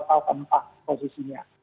menurunkan dampak posisinya